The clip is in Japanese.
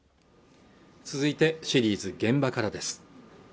続いてシリーズ「現場から」です